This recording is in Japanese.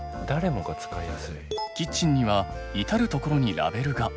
キッチンには至る所にラベルが。